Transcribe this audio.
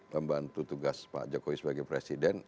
pembantu tugas pak jokowi sebagai presiden